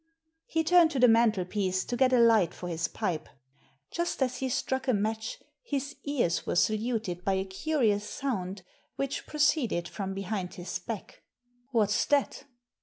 He turned to the mantelpiece to get a light for his pipe. Just as he struck a match his ears were saluted by a curious sound which proceeded from behind his back. "What's that?"